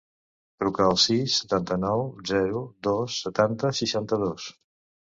Truca al sis, setanta-nou, zero, dos, setanta, seixanta-dos.